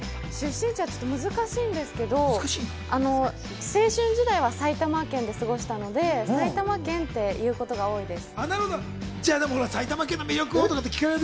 難しいんですけど、青春時代は埼玉県で過ごしたので、埼玉県って言うことが多いです。